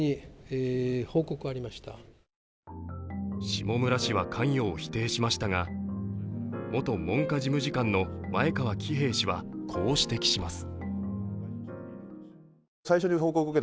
下村氏は関与を否定しましたが、元文科事務次官の前川喜平氏はこう指摘します。